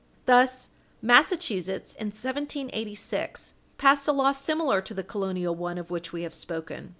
Thus, Massachusetts, in 1786, passed a law similar to the colonial one of which we have spoken.